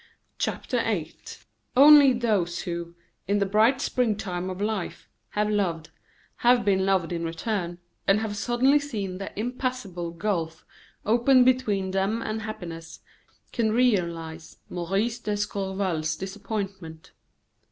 CHAPTER VIII Only those who, in the bright springtime of life, have loved, have been loved in return, and have suddenly seen an impassable gulf open between them and happiness, can realize Maurice d'Escorval's disappointment.